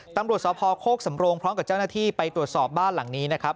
ตำรวจสพโคกสำโรงพร้อมกับเจ้าหน้าที่ไปตรวจสอบบ้านหลังนี้นะครับ